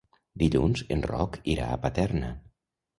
Dilluns en Roc irà a Paterna.